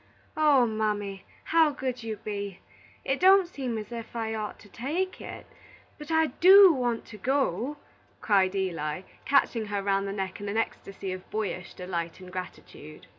"Oh, mammy, how good you be! It don't seem as if I ought to take it. But I do want to go!" cried Eli, catching her round the neck in an ecstasy of boyish delight and gratitude.